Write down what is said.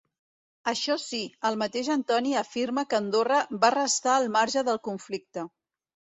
Això sí, el mateix Antoni afirma que Andorra va restar al marge del conflicte.